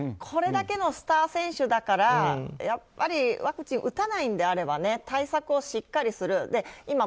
これだけのスター選手だからやっぱりワクチンを打たないのであれば対策をしっかりする。